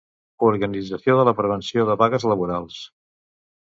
Organització de la prevenció de vagues laborals.